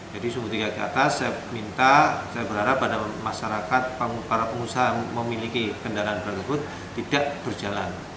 jadi sumbu tiga ke atas saya minta saya berharap pada masyarakat para pengusaha yang memiliki kendaraan berkebut tidak berjalan